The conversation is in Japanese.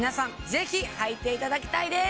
ぜひはいていただきたいです！